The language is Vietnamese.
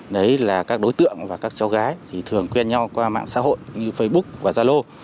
đấy là các đối tượng và các cháu gái thì thường quen nhau qua mạng xã hội như facebook và zalo